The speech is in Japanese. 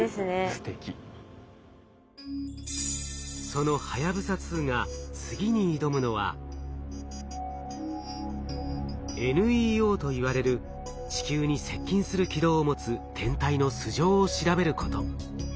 そのはやぶさ２が次に挑むのは「ＮＥＯ」といわれる地球に接近する軌道を持つ天体の素性を調べること。